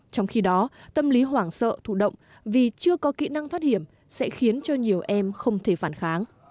trong khi đó tâm lý hoảng sợ thủ động vì chưa có kỹ năng thoát hiểm sẽ khiến cho nhiều em không thể phản kháng